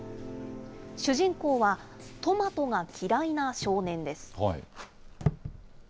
主人公は、トマトが嫌いな少年です。